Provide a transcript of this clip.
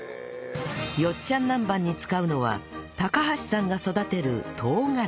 よっちゃんなんばんに使うのは高橋さんが育てる唐辛子